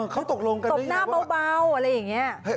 เขาตกลงกันตบหน้าเบาอะไรอย่างนี้